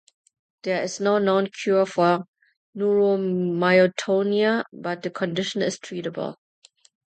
There is no known cure for neuromyotonia, but the condition is treatable.